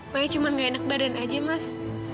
mai cuma nggak enak badan aja mas